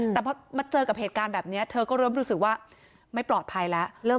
แต่พอมาเจอกับเหตุการณ์แบบนี้เธอก็เริ่มรู้สึกว่าไม่ปลอดภัยแล้ว